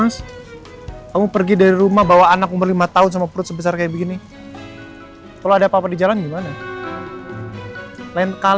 sampai jumpa di video selanjutnya